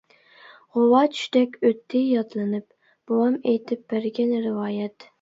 غۇۋا چۈشتەك ئۆتتى يادلىنىپ، بوۋام ئېيتىپ بەرگەن رىۋايەت.